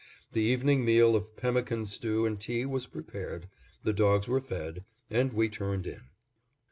The evening meal of pemmican stew and tea was prepared, the dogs were fed, and we turned in.